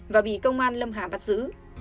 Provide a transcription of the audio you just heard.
và bị công an lâm hà bắt giữ